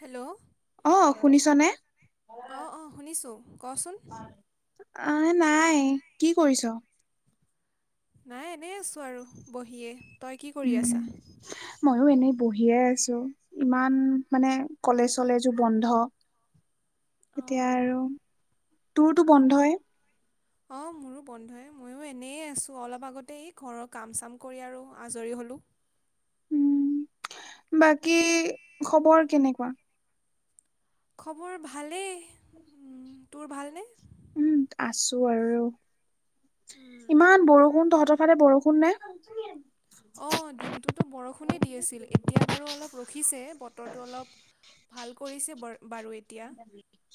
Hello অ' শুনিছ নে? অ' অ' শুনিছোঁ কচোন। আহ নাই, কি কৰিছ? নাই এনেই আছোঁ আৰু বহিয়ে, তই কি কৰি আছা? ময়ও এনেই বহিয়ে আছো। ইমান মানে কলেজ চলেজো বন্ধ। [inaudible] এতিয়া আৰু, তোৰতটো বন্ধই। অ, মোৰো বন্ধে ময়ো এনেই আছোঁ অলপ আগতেই ঘৰৰ কাম চাম কৰি আৰু আজৰি হ'লোঁ। উম, বাকী খবৰ কেনেকুৱা। খবৰ ভালেই তোৰ ভালনে। উম, আছো আৰু উম ইমান বৰষুণ তহঁতৰফতে বৰষুণ নে। অ, দিনটোতো বৰষুণে দি আছিল এতিয়া বাৰু অলপ ৰখিছে বতৰটো অলপ ভাল কৰিছে ব বাৰু এতিয়া।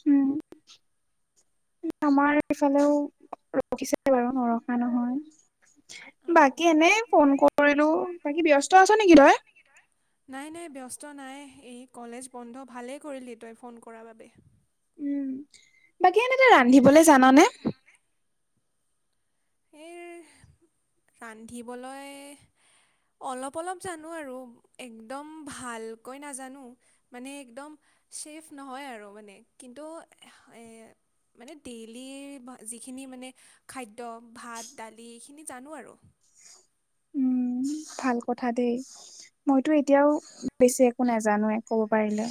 উম, আমাৰ এইফালেও ৰখিছে বাৰু নৰখা নহয়। বাকী এনেই ফোন কৰিলো বাকী ব্যস্ত আছ নেকি তই নাই নাই ব্যস্ত নাই এই কলেজ বন্ধ ভালেই কৰিলি তই ফোন কৰাৰ বাবে। উম, বাকী এন ৰান্ধিবলৈ জান নে? স ৰান্ধিবলৈ অলপ অলপ জানো আৰু একদম ভালকৈ নাজানো। মানে একদম ছেফ নহয় আৰু মানে কিন্তু। মানে ডেইলি যিখিনি মানে খাদ্য ভাত দালি এইখিনি জানো আৰু। উম, ভাল কথা দেই। মইতো এতিয়াও বেছি একো নাজানোৱে ক'ব পাৰিলে।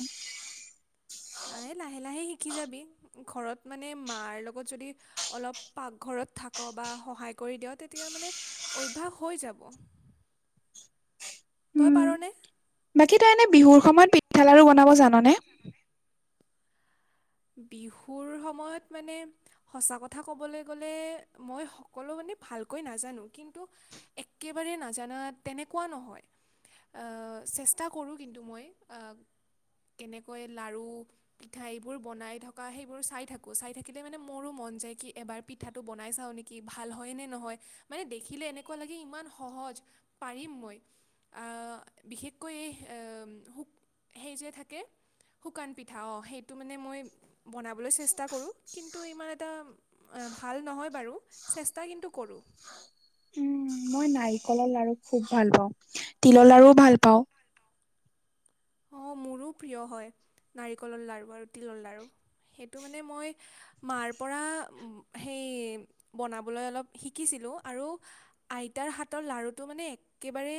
আ, লাহে লাহে শিকি যাবি ঘৰত মানে মাৰ লগত যদি অলপ পাকঘৰত থাক বা সহায় কৰি দিয়ওঁ তেতিয়া মানে অভ্যাস হৈ যাব। তই উম, পাৰনে? বাকী তই এনে বিহুৰ সময়ত পিঠা লাড়ু বনাব জাননে। বিহুৰ সময়ত মানে। সঁচা কথা ক'বলৈ গ'লে মই সকলো মানে ভালকৈ নাজানো কিন্তু। একেবাৰে নাজানা তেনেকুৱা নহয়। চেষ্টা কৰোঁ কিন্তু মই। কেনেকৈ লাাৰু পিঠাই বোৰ বনাই থকা সেইবোৰ চাই থাকোঁ চাই থাকিলে মানে মোৰো মন যায় কি এবাৰ পিঠাটো বনাই চাওঁ নেকি কি ভাল হয় নে নহয় মানে দেখিলে এনেকুৱা লাগে ইমান সহজ পাৰিম মই। বিশেষকৈ সেই যে থাকে শুকান পিঠা অঁ সেইটো মানে মই বনাবলৈ চেষ্টা কৰোঁ কিন্তু ইমান এটা। ভাল নহয় বাৰু চেষ্টা কিন্তু কৰোঁ। উম, মই নাৰিকলৰ লাৰু খুব ভাল পাওঁ তিলৰ লাৰুও ভাল পাওঁ। অ, মোৰো প্ৰিয় হয় নাৰিকলৰ লড়ু আৰু তিলৰ লাৰ়ু সেইটো মানে মই মাৰ পৰা সেই বনাবলৈ অলপ শিকিছিলোঁ আৰু। আইতাৰ হাতৰ লডাৰ়ুটো মানে একেবাৰে।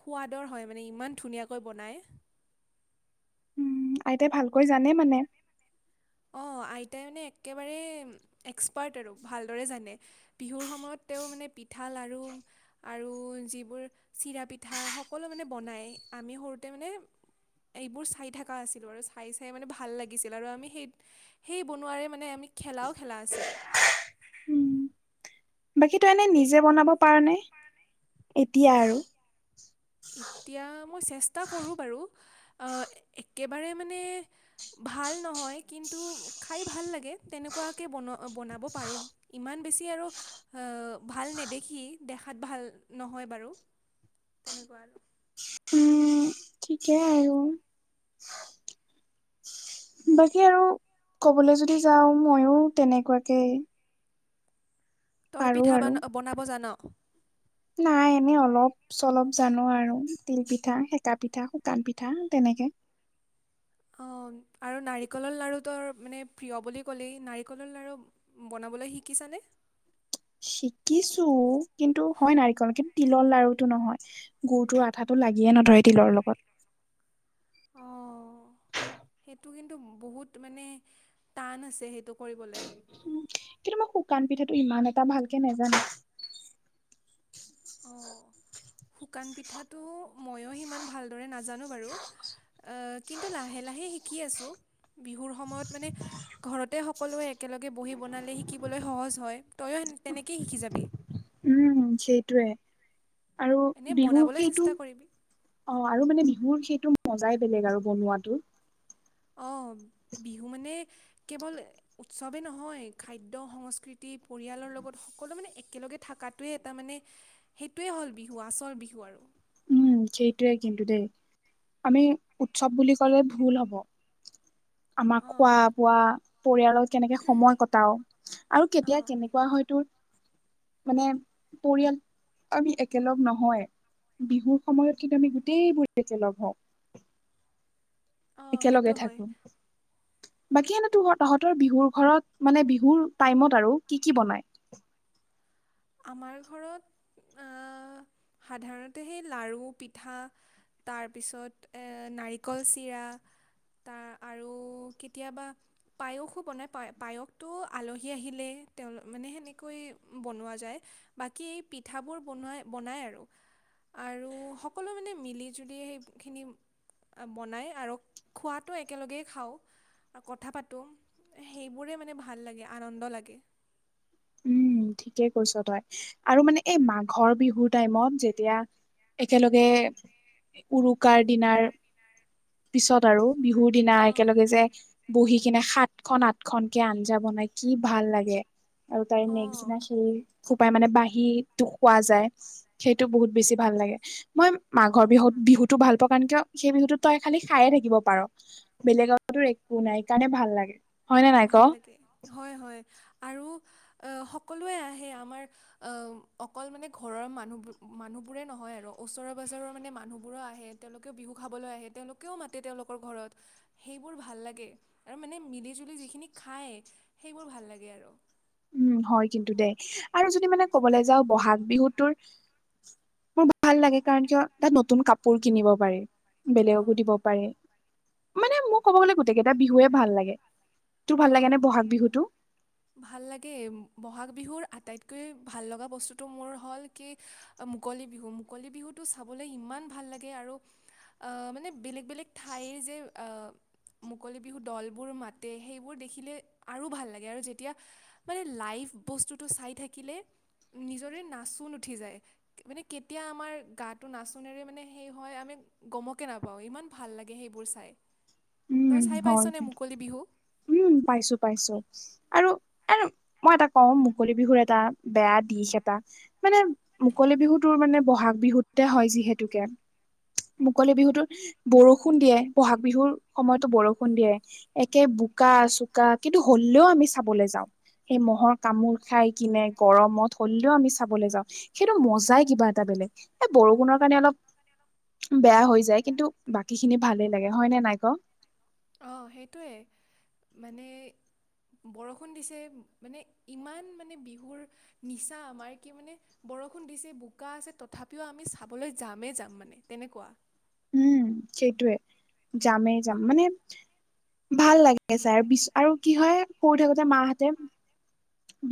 সোৱাদৰ হয় মানে ইমান ধুনীয়াকৈ বনায়। উম, আইতাই ভালকৈ জানে মানে। অ, আইতাই মানে একেবাৰে এক্সপাৰ্ট আৰু ভালদৰে জানে। বিহুৰ সময়ত তেওঁ মানে পিঠা লাড়ু। আৰু যিবোৰ চিৰা পিঠা সকলো মানে বনাই আমি সৰুতে মানে। এইবোৰ চাই থকা আছিলোঁ আৰু চাই চাই মানে ভাল লাগিছিল আৰু আমি সেই। সেই বনোৱাৰে মানে আমি খেলাও খেলা আছিলোঁ। উম, বাকী তো এনে নিজে বনাব পাৰ নে এতিয়া আৰু। এতিয়া মই চেষ্টা কৰোঁ বাৰু একেবাৰে মানে। ভাল নহয় কিন্তু খাই ভাল লাগে তেনেকুৱাকে বন বনাব পাৰোঁ ইমান। বেছি আৰু ভাল নেদেখি দেখাত ভাল নহয় বাৰু। তেনেকুৱা আৰু। উম, ঠিকে আৰু। [unintelligible] বাকী আৰু কবলৈ যদি যাও মইও তেনেকুৱাকে তই পাৰো পিঠা আৰু। বন বনাব জানো? নাই এনেই অলপ চলপ জানো আৰু তিল পিঠা, সেকা পিঠা, শুকান পিঠা তেনেকে। অ' আৰু নাৰিকলৰ লাৰু তোৰ মানে প্ৰিয় বুলি ক'লেই নাৰিকলৰ লাৰু বনাবলৈ শিকিছানে? শিকিছোঁ কিন্তু হয় নাৰিকল কিন তিলৰ লাৰুটো নহয়, গুৰটোৰ আঠাটো লাগিয়ে নধৰে তিলৰ লগত। অ'। অ' সেইটো কিন্তু বহুত মানে টান আছে সেইটো কৰিবলৈ। উম, কিন্তু মই শুকান পিঠাটো ইমান এটা ভালকে নেজানো। অ', [unintelligible] শুকান পিঠাটো ময়ো সিমান ভালদৰে নাজানো বাৰু। অ' কিন্তু লাহে লাহে শিকি আছোঁ, বিহুৰ সময়ত মানে ঘৰতে সকলোৱে একেলগে বহি বনালে শিকিবলৈ সহজ হয়, তইয়ো তেনেকেই শিকি যাবি। উম, সেইটোৱে, আৰু এনেই বিহুৰ বনাবলৈ চেষ্টা সেইটো কৰিবি। অ' আৰু মানে বিহুৰ সেইটো মজাই বেলেগ আৰু বনোৱাতো। অ' বিহু মানে কেৱল উৎসৱেই নহয় খাদ্য সংস্কৃতি পৰিয়ালৰ লগত সকলো মানে একেলগে থকাটোৱেই এটা মানে সেইটোৱে হ'ল বিহু আচল বিহু আৰু। সেইটোয়ে কিন্তু দেই, আমি উৎসৱ বুলি ক'লে ভুল হব। আমাক খোৱা অঁ বোৱা পৰিয়ালৰ কেনেকে সময় কটাও, আৰু কেতিয়া অঁ কেনেকুৱা হয় তোৰ মানে পৰিয়াল আমি একেলগ নহয়, বিহু সময়ত কিন্তু আমি গোটেইবোৰ একে লগ হওঁ। অঁ একেলগে সেইটো হয় থাকোঁ। বাকী এনে তো তহঁতৰ বিহুৰ ঘৰত মানে বিহুৰ টাইমত আৰু কি কি বনাই? আমাৰ ঘৰত অ' সাধাৰণতে সেই লাৰু, পিঠা তাৰপিছত এ, নাৰিকল চিৰা। তা আৰু কেতিয়াবা পায়সো বনায় পায়সটো আলহী আহিলে তেওঁ মানে সেনেকৈ বনোৱা যায় বাকী পিঠাবোৰ বুনাই বনাই আৰু। আৰু সকলো মানে মিলি জুলি খিনি বনাই আৰু খোৱাটো একেলগেই খাওঁ। কথা পাতোঁ সেইবোৰে মানে ভাল লাগে আনন্দ লাগে। উম, ঠিকেই কৈছোঁ তই আৰু মানে এই মাঘৰ বিহুৰ টাইমত যেতিয়া একেলগে উৰুকাৰ দিনাৰ, পিছত আৰু বিহুৰ দিনা অ একেলগে যে বহি কিনে সাত খন আঠখনকে আঞ্জা বনাই কি ভাল লাগে, আৰু তাইৰ নেক্স অঁ উম, খোপাই মানে বাঁহীটো খোৱা যায়, সেইটো বহুত বেছি ভাল লাগে। মই মাঘৰ বিহুত বিহুটো ভাল পোৱা কাৰণে কিয় সেই বিহুটোত তই খালি খায়ে থাকিব পাৰ। বেলেগ [unintelligible] একো নাই সেইকাৰণে ভাল লাগে। হয় নে নাই ক ভাল লাগে হয় হয় আৰু অ' সকলোৱে আহে আমাৰ অ' অকল মানে ঘৰৰ মানুহ মানুহবোৰে নহয় আৰু ওচৰ পাজৰৰ মানে মানুহবোৰো আহে। তেওঁলোকেও বিহু খাবলৈ আহে তেওঁলোকেও মাতে তেওঁলোকৰ ঘৰত। সেইবোৰ ভাল লাগে, আৰু মানে মিলি জুলি যিখিনি খায় সেইবোৰ ভাল লাগে আৰু। উম, হয় কিন্তু দেই আৰু যদি মানে ক'বলৈ যাওঁ বহাগ বিহুটোৰ মোৰ ভাল লাগে কাৰণ কিয় তাত নতুন কাপোৰ কিনিব পাৰি। অঁ বেলেগকো দিব পাৰি, মানে মোৰ ক'ব গ'লে গোটেই কেইটা বিহুৱে ভাল লাগে। তোৰ ভাল লাগে নে অঁ বহাগ বিহুটো? ভাল লাগে বহাগ বিহুৰ আটাইতকৈ ভাল লগা বস্তুটো মোৰ হ'ল কি মুকলি বিহু মুকলি বিহুটো চাবলৈ ইমান ভাল লাগে আৰু মানে বেলেগ বেলেগ ঠাইৰ যে মুকলি বিহু দলবোৰ মাতে সেই [inaudible] নিজৰে নাচ ন উঠি যায় মানে কেতিয়া আমাৰ গাটো নাচোনেৰে মানে সেই হয় আমি গমকে নাপাওঁ ইমান ভাল লাগে সেইবোৰ চাই উম তই চাই হয় পাইছনে কিন্তু। মুকলি বিহু উম পাইছো পাইছো আৰু এ মই এটা কওঁ মুকলি বিহুৰ এটা বেয়া দিশ এটা মানে মুকলি বিহু তোৰ মানে বহাগ বিহুতে হয় যিহেতুকে মুকলি বিহুতত বৰষুণ দিয়ে বহাগ বিহুৰ সময়ত। বৰষুণ দিয়ে একে বোকা চোকা কিন্তু হলেও আমি চাবলৈ যাওঁ সেই মহ'ৰ কামোোৰ খাই কিনে গৰমত হললেও আমি চাবলৈ যাওঁ সেইটো মজাই কিবা এটা বেলেগ এ বৰষুণৰ কাৰণে অলপ বেয়া হৈ যায় কিন্তু বাকী খিনি ভালেই লাগে হয় নে নাই ক অ', সেইটোৱে মানে বৰষুণ দিছে মানে ইমান মানে বিহুৰ নিচা আমাৰ কি মানে বৰষুণ দিছে বোকা আছে তথাপিও আমি চাবলৈ যামেই যাম মানে তেনেকুৱা উম সেইটয়ে যামেই যাম মানে ভাল লাগে ছাৰ আৰু কি হয় সৰু থাকোতে মাহঁতে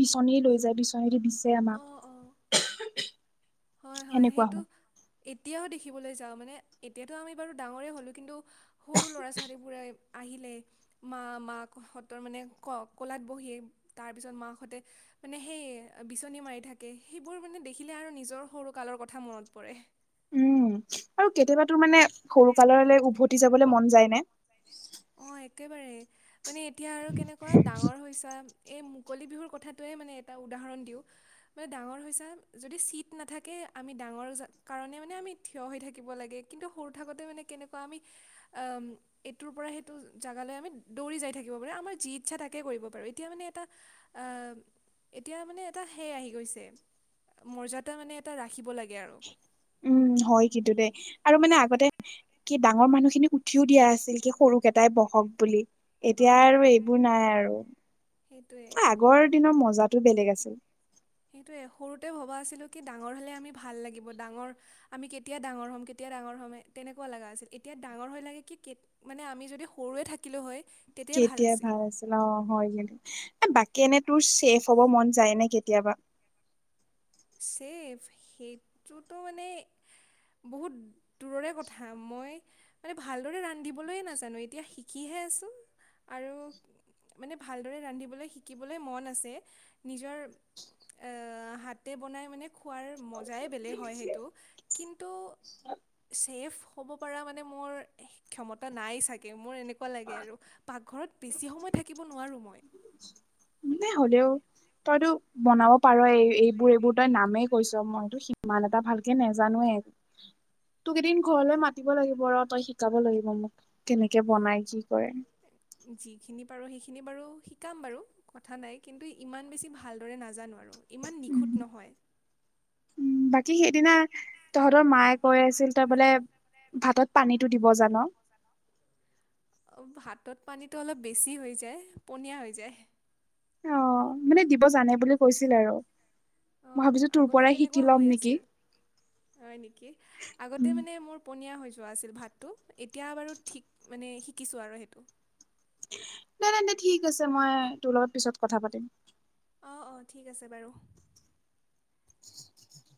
বিচনী লৈ যায় বিচনীৰে অ', অ', হয় হয় সেইটো এতিয়াও দেখিবলৈ যাওঁ মানে এতিয়াতো আমি বাৰু ডাঙৰেই হ'লোঁ কিন্তু সৰু ল'ৰা ছোৱালীবোৰে আহিলে মা মাকহঁতৰ মানে ক কলাত বহিয় তাৰ পিছত মাকাহঁতে মানে সেই বিচনী মাৰি থাকে সেইবোৰ মানে দেখিলে আৰু নিজৰ সৰু কালৰ কথা মনত পৰে উম আৰু কেতিয়াবা তোৰ মানে সৰু কাললৈ উভতি যাবলৈ মন যায় নে অ', একেবাৰে মানে এতিয়া আৰু কেনেকুৱা ডাঙৰ হৈছ এই মুকলি বিহুৰ কথাটোৱে মানে এটা উদাহৰণ দিওঁ মানে ডাঙৰ হৈছে যদি চিট নাথাকে আমি ডাঙৰ কাৰণে মানে আমি থিয় হৈ থাকিব লাগে কিন্তু সৰু থাকোতে মানে কেনেকুৱা আমি অ এইটোৰ পৰা জোগালৈ আমি দৌৰি যাই থাকিব পাৰো আমাৰ যি ইচ্ছা থাকে কৰিব পাৰো এতিয়া মানে এটা আহ এতিয়া মানে এটা সে আহি গৈছে মৰ্যাদা মানে এটা ৰাখিব লাগে আৰু উম হয় কিন্তু দেই আৰু মানে আগতে কি ডাঙৰ মানুহখিনি উঠিও দিয়া আছিল কি সৰুকেইটাই বহক বুলি এতিয়া অঁ আৰু এইবোৰ নাই আৰু সেইটোৱে আগৰ দিনৰ মজাতো বেলেগ আছিল সেইটোৱে সৰুতে ভবা আছিলোঁ কি ডাঙৰ হ'লে আমি ভাল লাগিব ডাঙৰ আমি কেতিয়া ডাঙৰ হ'ম কেতিয়া ডাঙৰ হ'ম তেনেকুৱা লগা আছিল এতিয়া ডাঙৰ হৈ লাগে কি মানে আমি যদি সৰুৱে থাকিলোঁ হয় কেতিয়াাই ভাল আছিল অ হয় গ বাকী এনে তোৰ চছেফ হব মন যায় নে কেতিয়াবা ছেফ সেইটোতো মানে বহুত দূৰৰে কথা মই মানে ভালদৰে ৰান্ধিবলৈয় নাজানো এতিয়া শিকিহে আছোঁ আৰু মানে ভালদৰে ৰান্ধিবলৈ শিকিবলৈ মন আছে নিজৰ হাত তাতে বনাই মানে খোৱাৰ মজাই বেলেগ হয় সেইটো কিন্তু ছেফ হ'ব পৰা মানে মোৰ ক্ষমতা নাই চাগে মোৰ এনেকুৱা লাগে আৰু পাকঘৰত বেছি সময় থাকিব নোৱাৰোঁ মই। [unintelligible] তইতো বনাব পাৰ এই এইবোৰ এইবোৰ তই নামেই কৈছ মইতো সিমান এটা ভালকে নোজানোৱে। তোক কেইদিন ঘৰলে মাতিব লাগিব ৰ তই শিকাব লাগিব মোক কেনেকে বনাই কি কৰে। যিখিনি পাৰোঁ সেইখিনি বাৰু শিকাম বাৰু। কথা নাই কিন্তু ইমান বেছি ভালদৰে নাজানো আৰু ইমান উম নিখুঁত নহয়। উম বাকী সেইদিনা তহঁতৰ মায়ে কৈ আছিল তই বোলে ভাতত পানীতটো দিব জান। হাতত পানীটো অলপ বেছি হৈ যায় পনীয়া হৈ যায়। অ', মানে দিব জানে বুলি কৈছিল আৰু। মই অ', ভাবিছো তোৰ আগতে পৰাই শিকি তেনেকুৱা ল'ম হৈ নেকি আছিল হয় নেকি আগতে উম, মানে মোৰ। পনীয়া হৈ যোৱা আছিল ভাতটো এতিয়া বাৰু ঠিক মানে শিকিছোঁ আৰু সেইটো। ন নাই ন ঠিক আছে মই তোৰ লগত পিছত কথা পাতিম। অ', অ' ঠিক আছে বাৰু। [inaudible]